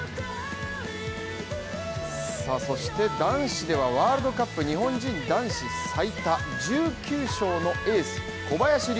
さあそして男子ではワールドカップ日本人男子最多１９勝のエース小林陵